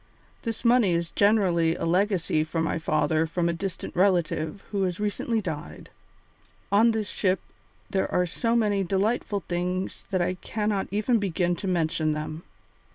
This money is generally a legacy for my father from a distant relative who has recently died. On this ship there are so many delightful things that I cannot even begin to mention them."